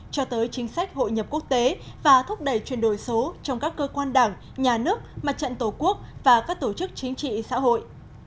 cho tới chính sách hội nhập quốc tế và thúc đẩy chuyển đổi số trong các cơ quan đảng nhà nước mặt trận tổ quốc và các tổ chức chính trị xã hội